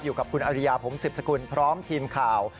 อยู่กับคุณอริยาผมสิบสกุลพร้อมทีมข่าว